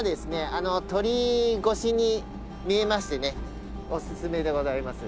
あの鳥居越しに見えましてねおすすめでございます。